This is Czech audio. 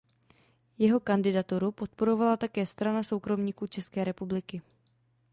Jeho kandidaturu podporovala také Strana soukromníků České republiky.